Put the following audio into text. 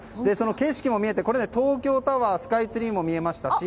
景色も見えてこれ、東京タワーやスカイツリーも見えましたし